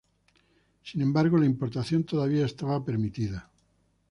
Sin embargo, la importación todavía estaba permitida.